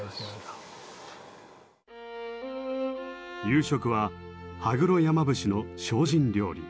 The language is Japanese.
夕食は羽黒山伏の精進料理。